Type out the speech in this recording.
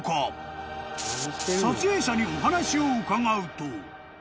［撮影者にお話を伺うと］